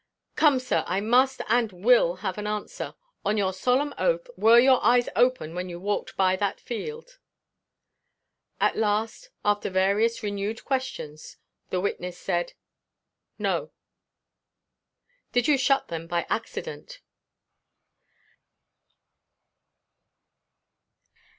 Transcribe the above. "Come, sir, I must, and will have an answer; on your solemn oath were your eyes open when you walked by that field?" At last, after various renewed questions, the witness says, "No." "Did you shut them by accident?"